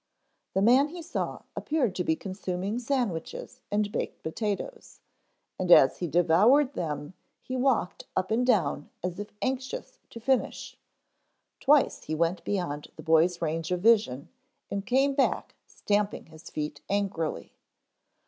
The man he saw appeared to be consuming sandwiches and baked potatoes and as he devoured them he walked up and down as if anxious to finish. Twice he went beyond the boy's range of vision and came back stamping his feet angrily.